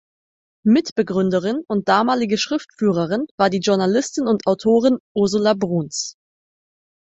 Mitbegründerin und damalige Schriftführerin war die Journalistin und Autorin Ursula Bruns.